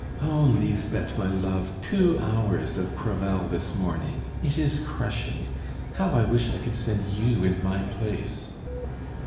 "Oh, Lisbeth, my love, two hours of Crevel this morning! It is crushing! How I wish I could send you in my place!"